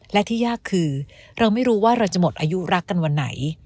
และที่ยากคือเราไม่รู้ว่าเราจะหมดอายุรักกันวันไหน